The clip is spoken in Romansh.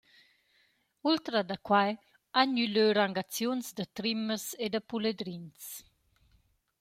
Ultra da quai han gnü lö rangaziuns da trimmas e da puledrins.